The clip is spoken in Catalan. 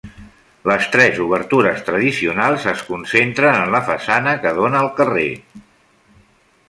Les tres obertures tradicionals es concentren en la façana que dóna al carrer.